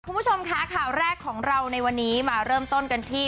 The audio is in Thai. คุณผู้ชมคะข่าวแรกของเราในวันนี้มาเริ่มต้นกันที่